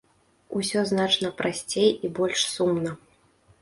Усё значна прасцей і больш сумна.